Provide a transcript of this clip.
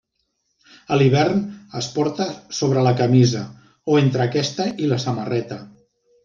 A l'hivern es porta sobre la camisa o entre aquesta i la samarreta.